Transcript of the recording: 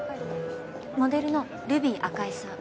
モデルのルビー赤井さん。